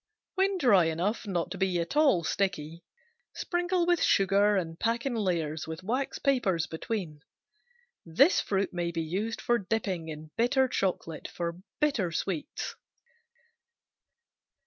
When dry enough not to be at all sticky, sprinkle with sugar and pack in layers with wax papers between. This fruit may be used for dipping in bitter chocolate for bitter sweets.